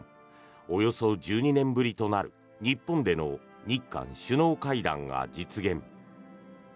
およそ１２年ぶりとなる日本での日韓首脳会談が実現。